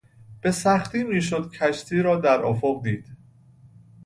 به سختی میشد کشتی را در افق دید.